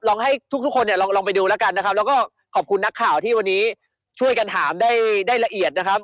ให้ทุกคนเนี่ยลองไปดูแล้วกันนะครับแล้วก็ขอบคุณนักข่าวที่วันนี้ช่วยกันถามได้ได้ละเอียดนะครับ